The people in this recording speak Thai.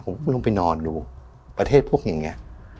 ผมลงไปนอนดูประเทศพวกนี้